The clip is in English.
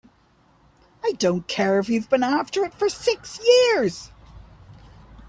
I don't care if you've been after it for six years!